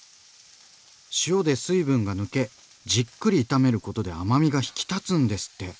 塩で水分が抜けじっくり炒めることで甘みが引き立つんですって。